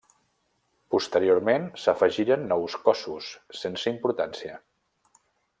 Posteriorment s'afegiren nous cossos, sense importància.